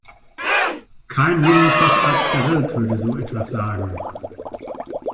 Kein Lungenfacharzt der Welt würde so etwas sagen.